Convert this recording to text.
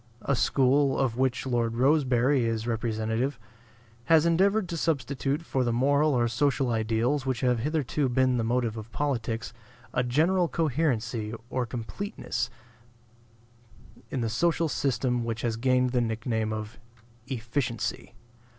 A school, of which Lord Rosebery is representative, has endeavored to substitute for the moral or social ideals which have hitherto been the motive of politics a general coherency or completeness in the social system which has gained the nick name of "efficiency."